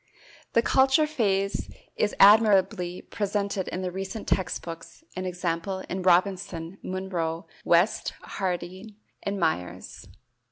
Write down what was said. The culture phase is admirably presented in the recent text books, e. g., in Robinson, Munro, West, Harding, and Myers.